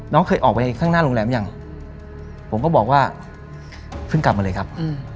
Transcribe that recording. เคยออกไปข้างหน้าโรงแรมยังผมก็บอกว่าเพิ่งกลับมาเลยครับ